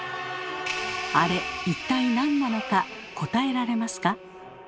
あれ一体なんなのか答えられますか？